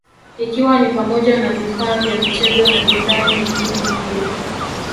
ikiwa ni pamoja na vifaa vya michezo na bidhaa nyengine nyingi